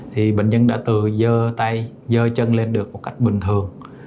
thì bệnh nhân đã từ dơ tay dơ chân lên được một cách bình thường